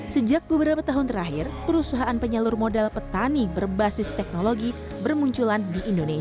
sejak beberapa tahun terakhir perusahaan penyalur modal petani berbasis teknologi bermunculan di indonesia